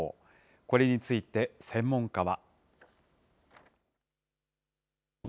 これについて専門家は。